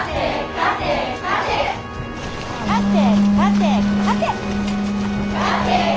勝て勝て勝て。